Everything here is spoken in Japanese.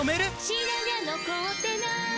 「白髪残ってない！」